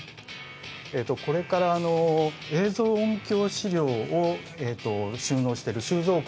これから映像音響資料を収納してる収蔵庫の近くまで行きます。